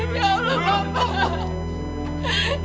ya allah bapak